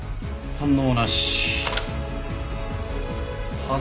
反応なし。